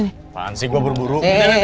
gimana sih gue berburu